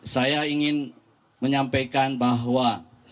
saya ingin menyampaikan bahwa